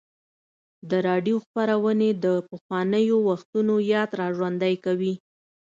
د راډیو خپرونې د پخوانیو وختونو یاد راژوندی کوي.